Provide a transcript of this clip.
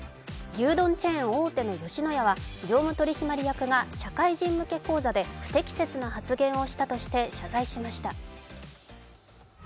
牛丼チェーン大手の吉野家は常務取締役が社会人向け講座で不適切な発言をしたとして謝罪しました。